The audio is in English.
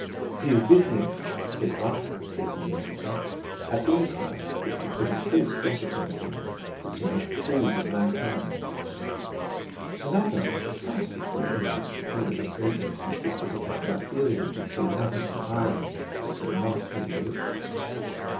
'His business,' says one hack of prison literature, 'at all times was to put a false gloss upon things, and to make fools of mankind.' Another precisely formulates the theory of greatness insisted upon by Fielding with so lavish an irony and so masterly a wit.